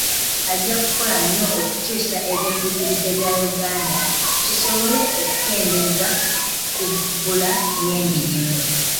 Ajja kukola nnyo okukyusa ebyenjigiriza bya Uganda, kisobole okukendeeza ku bbula ly'emirimu.